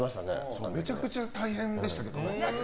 めちゃくちゃ大変でしたけどね。